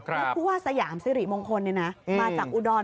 เพราะว่าสยามซิริมงคลมาจากอูดร